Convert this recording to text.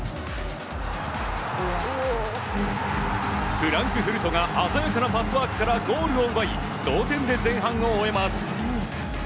フランクフルトが鮮やかなパスワークからゴールを奪い同点で前半を終えます。